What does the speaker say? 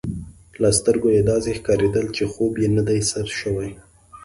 له سترګو يې داسي ښکارېدل، چي خوب یې نه دی سر شوی.